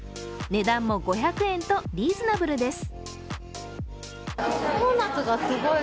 値段も５００円とリーズナブルです。